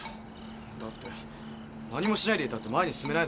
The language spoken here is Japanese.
だって何もしないでいたって前に進めないだろ。